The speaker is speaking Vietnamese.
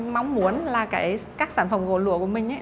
mong muốn là cái các sản phẩm gỗ lũa của mình ấy